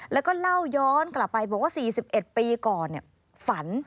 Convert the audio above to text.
แล้วก็เล่าย้อนกลับไปบอกว่า๔๑ปีก่อนฝัน